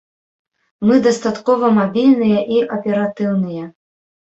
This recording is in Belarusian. Мы дастаткова мабільныя і аператыўныя.